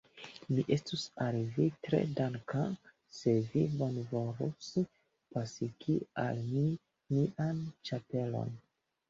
Mi estus al vi tre danka, se vi bonvolus pasigi al mi mian ĉapelon.